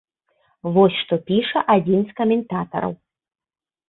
Вось што піша адзін з каментатараў.